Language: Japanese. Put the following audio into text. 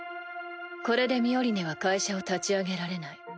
これでミオリネは会社を立ち上げられない。